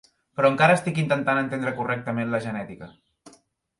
Però encara estic intentant entendre correctament la genètica.